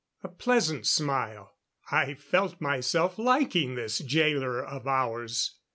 A pleasant smile; I felt myself liking this jailer of ours.